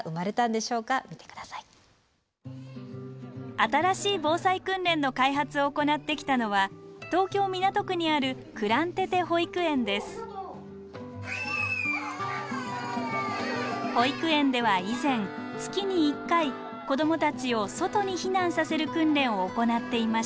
新しい防災訓練の開発を行ってきたのは保育園では以前月に１回子どもたちを外に避難させる訓練を行っていました。